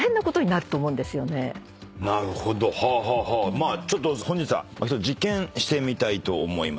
まあ本日は実験してみたいと思います。